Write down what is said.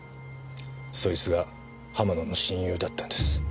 そいつが浜野の親友だったんです。